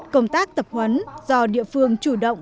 công tác tập huấn do địa phương chủ động